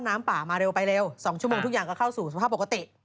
น้ำป่ามาเร็วไปเร็ว๒ชั่วโมงทุกอย่างก็เข้าสู่สภาพปกติ